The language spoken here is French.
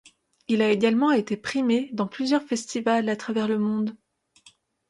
Il a également été primé dans plusieurs festivals à travers le monde.